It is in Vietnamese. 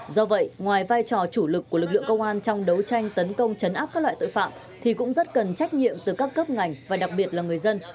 do vậy ngoài vai trò chủ lực của lực lượng công an trong đấu tranh tấn công chấn áp các loại tội phạm thì cũng rất cần trách nhiệm từ các cấp ngành và đặc biệt là người dân